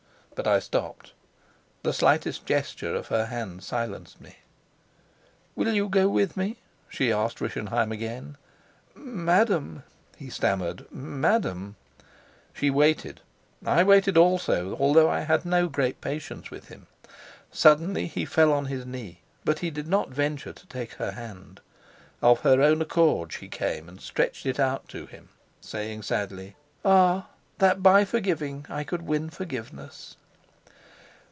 But I stopped. The slightest gesture of her hand silenced me. "Will you go with me?" she asked Rischenheim again. "Madam," he stammered, "Madam " She waited. I waited also, although I had no great patience with him. Suddenly he fell on his knee, but he did not venture to take her hand. Of her own accord she came and stretched it out to him, saying sadly: "Ah, that by forgiving I could win forgiveness!"